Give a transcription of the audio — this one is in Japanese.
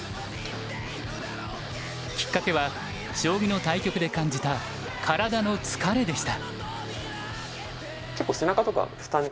きっかけは将棋の対局で感じた体の疲れでした。